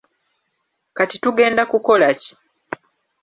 Kati tugenda kukola ki?